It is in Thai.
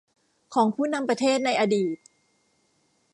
ของผู้นำประเทศในอดีต